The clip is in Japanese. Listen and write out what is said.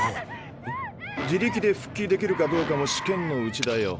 自力で復帰できるかどうかも試験のうちだよ。